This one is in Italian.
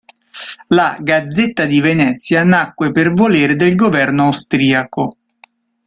La "Gazzetta di Venezia" nacque per volere del governo austriaco.